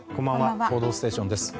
「報道ステーション」です。